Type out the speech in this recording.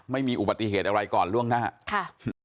ไม่มีอุบัติเหตุอะไรก่อนล่วงหน้าค่ะ